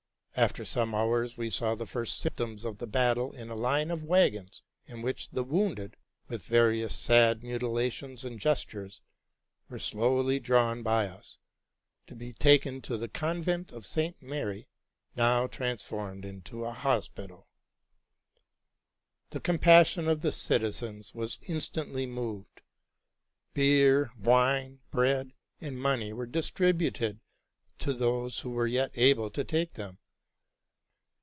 After some hours we saw the firs t symptoms of the battle in a line of wagons, in which the wounded, with various sad mutilations and gestures, were slowly drawn by us, to be taken to the convent of St. Mary, now transformed into a hospital. The compassion of the citizens was instantly moved. Beer, wine, bread, and money were distributed to those who were yet able to take them.